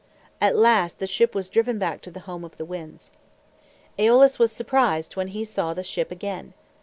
At last the ship was driven back to the home of the Winds. Eolus was surprised when he saw the ship again.